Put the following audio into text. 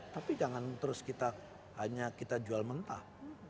tapi jangan terus kita hanya kita jual mentah